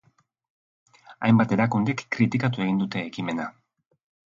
Hainbat erakundek kritikatu egin dute ekimena.